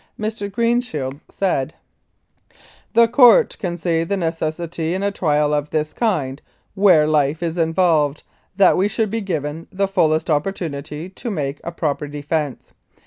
Mr. Greenshields said : "The court can see the necessity in a trial of this kind, where life is involved, that we should be given the fullest opportunity to make a proper defence.